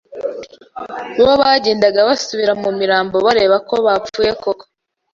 bo bagendaga basubira mu mirambo bareba ko bapfuye koko